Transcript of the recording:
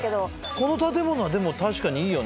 この建物は確かにいいよね。